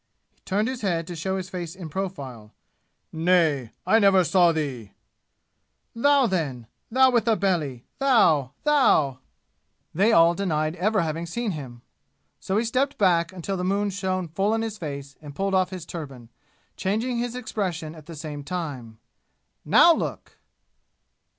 He turned his head, to show his face in profile. "Nay, I never saw thee!" "Thou, then! Thou with the belly! Thou! Thou!" They all denied ever having seen him. So he stepped back until the moon shone full in his face and pulled off his turban, changing his expression at the same time. "Now look!"